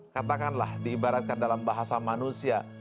katakanlah diibaratkan dalam bahasa manusia